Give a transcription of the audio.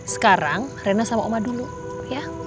sekarang rena sama oma dulu ya